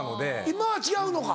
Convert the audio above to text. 今は違うのか。